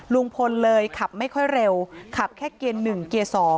ลุงพลเลยขับไม่ค่อยเร็วขับแค่เกียร์๑เกียร์๒